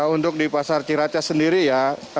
untuk di pasar ciracas sendiri ya kemarin kita sudah vaksinasi ya